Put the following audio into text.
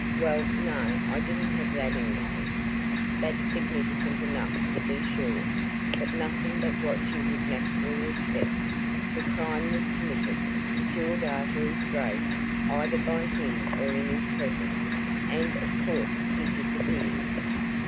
"Well, no. I didn't have that in mind. That's significant enough to be sure, but nothing but what you would naturally expect. The crime was committed, if your data is straight, either by him or in his presence, and of course he disappears.